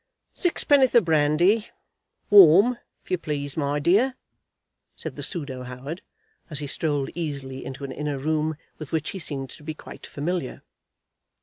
"Six penn'orth of brandy, warm, if you please, my dear," said the pseudo Howard, as he strolled easily into an inner room, with which he seemed to be quite familiar.